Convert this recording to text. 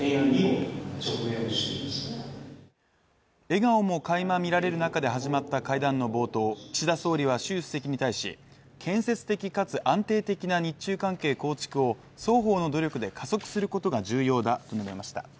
笑顔も垣間見られる中で始まった会談の冒頭岸田総理は習主席に対し建設的かつ安定的な日中関係構築を双方の努力で加速することが重要だと述べました